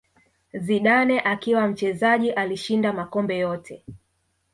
Zidane akiwa mchezaji alishinda makombe yote